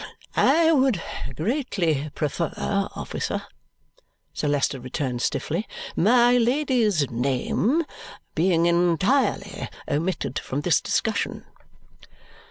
"I would greatly prefer, officer," Sir Leicester returns stiffly, "my Lady's name being entirely omitted from this discussion."